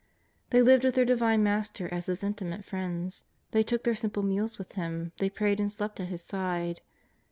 They lived with their Divine Master as His inti* mate friends. They took their simple meals with Him, they prayed and slept at His side.